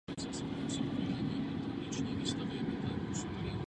Dosud nebyly tyto kosterní pozůstatky prozkoumány a není ani jasné odkud kosti pocházejí.